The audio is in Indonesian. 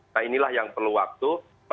nah inilah yang perlu waktu